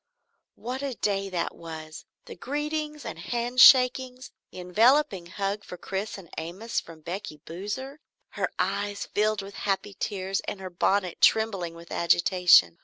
What a day that was! The greetings and handshakings; the enveloping hug for Chris and Amos from Becky Boozer, her eyes filled with happy tears and her bonnet trembling with agitation.